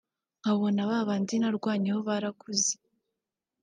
nkabona babandi narwanyeho barakuze